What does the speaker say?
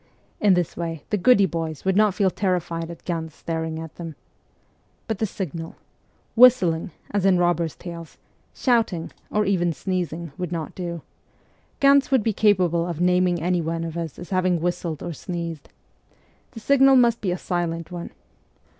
In this way the goody boys would not feel terrified at Ganz staring at them. But the signal ? Whistling, as in robbers' tales, shouting, or even sneezing would not do : Ganz would be capable of naming anyone of us as having whistled or sneezed. The signal must be a silent one.